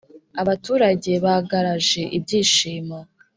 abaturage bagaraje ibyishimo